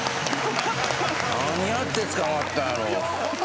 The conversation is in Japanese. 何やって捕まったんやろ？